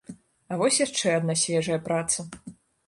А вось яшчэ адна свежая праца.